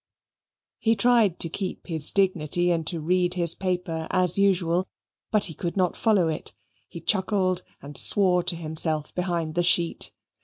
He tried to keep his dignity and to read his paper as usual but he could not follow it. He chuckled and swore to himself behind the sheet.